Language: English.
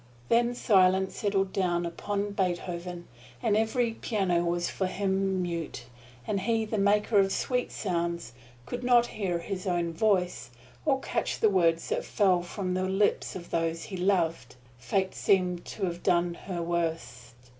Then silence settled down upon Beethoven, and every piano was for him mute, and he, the maker of sweet sounds, could not hear his own voice, or catch the words that fell from the lips of those he loved, Fate seemed to have done her worst.